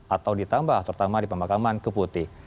atau ditambah terutama di pemakaman keputi